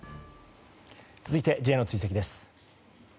続いてＪの追跡です。